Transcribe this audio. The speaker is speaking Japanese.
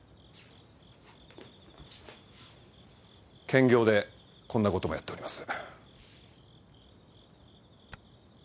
兼業でこんな事もやっております。